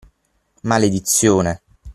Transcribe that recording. Maledizione!